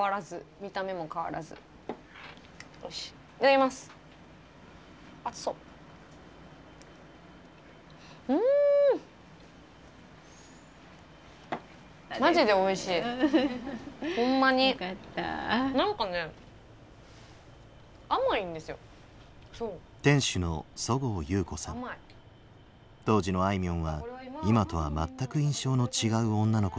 当時のあいみょんは今とはまったく印象の違う女の子だったという。